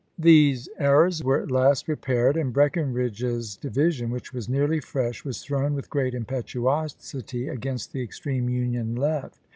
These errors were at last repaired, and Breck inridge's division, which was nearly fresh, was thrown with gi'eat impetuosity against the extreme Union left.